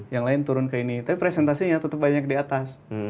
yang lain turun ke ini tapi presentasinya tetap banyak di atas